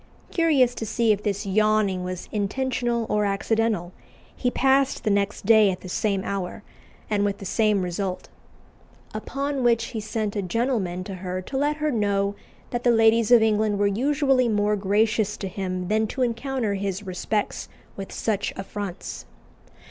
Curious to see if this yawning was intentional or accidental, he passed the next day at the same hour, and with the same result. Upon which he sent a gentleman to her to let her know that the ladies of England were usually more gracious to him than to encounter his respects with such affronts.